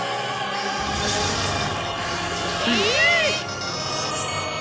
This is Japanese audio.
えっ！？